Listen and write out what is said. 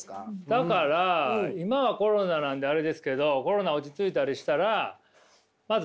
だから今はコロナなんであれですけどコロナ落ち着いたりしたら。